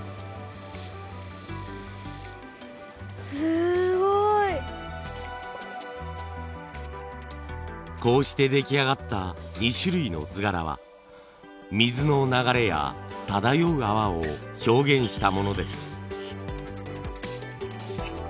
すごい！こうして出来上がった２種類の図柄は水の流れや漂う泡を表現したものです。